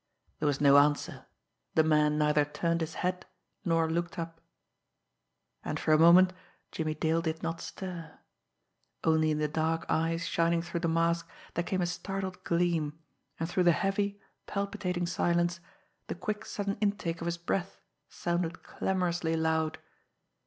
There was no answer the man neither turned his head, nor looked up. And for a moment Jimmie Dale did not stir only into the dark eyes shining through the mask there came a startled gleam, and through the heavy, palpitating silence the quick, sudden intake of his breath sounded clamourously loud.